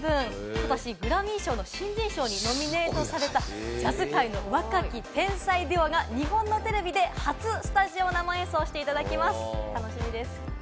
今年グラミー賞の新人賞にノミネートされたジャズ界の若き天才デュオが日本のテレビ初生演奏していただきます。